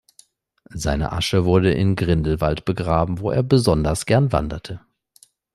Seine Asche wurde in Grindelwald begraben, wo er besonders gern wanderte.